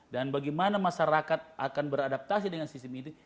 dan bagaimana masyarakat akan beradaptasi dengan sistem ini